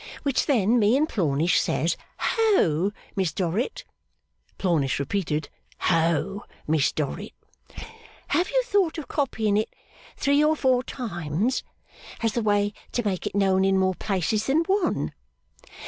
Which then me and Plornish says, Ho Miss Dorrit!' (Plornish repeated, Ho Miss Dorrit.) 'Have you thought of copying it three or four times, as the way to make it known in more places than one?